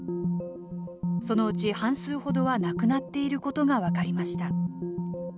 そのうち半数ほどは亡くなっていることが分かりました。